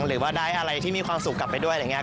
หรือว่าได้อะไรที่มีความสุขกลับไปด้วยอะไรอย่างนี้